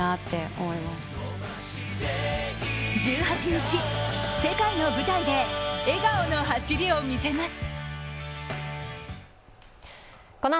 １８日、世界の舞台で笑顔の走りを見せます。